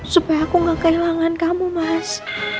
supaya aku gak kehilangan kamu mas